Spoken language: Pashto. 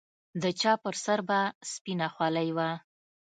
د چا پر سر به سپينه خولۍ وه.